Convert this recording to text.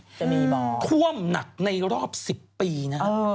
จะมีบอกถ้วมหนักในรอบ๑๐ปีนะ